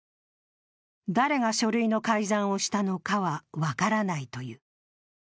誰が書類の改ざんをしたのかは分からないという。